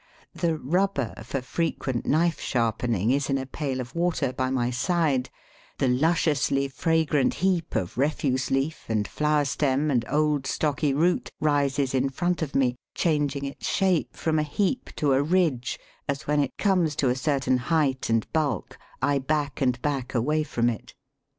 The "rubber" for frequent knife sharpening is in a pail of water by my side; the lusciously fragrant heap of refuse leaf and flower stem and old stocky root rises in front of me, changing its shape from a heap to a ridge, as when it comes to a certain height and bulk I back and back away from it.